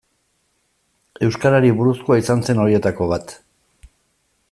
Euskarari buruzkoa izan zen horietako bat.